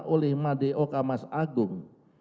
oleh madeoka mas agung